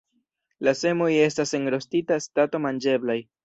La semoj estas en rostita stato manĝeblaj.